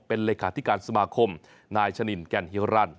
เป็นเลขาธิการสมาคมนายชะนินแก่นฮิวรรณ